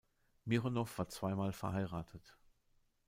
Mironow war zweimal verheiratet.